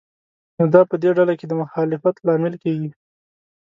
نو دا په دې ډله کې د مخالفت لامل کېږي.